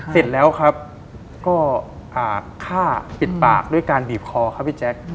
เสร็จแล้วครับก็ฆ่าปิดปากด้วยการบีบคอครับพี่แจ๊ค